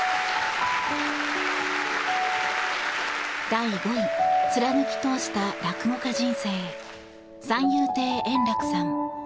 第５位、貫き通した落語家人生三遊亭円楽さん。